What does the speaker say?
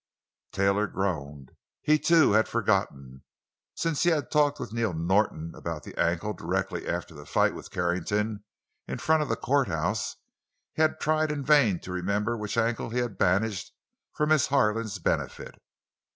Taylor groaned. He, too, had forgotten. Since he had talked with Neil Norton about the ankle directly after the fight with Carrington in front of the courthouse he had tried in vain to remember which ankle he had bandaged for Miss Harlan's benefit.